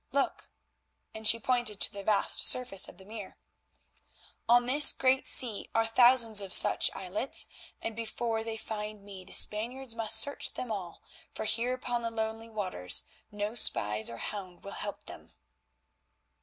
Look," and she pointed to the vast surface of the mere, "on this great sea are thousands of such islets, and before they find me the Spaniards must search them all, for here upon the lonely waters no spies or hound will help them."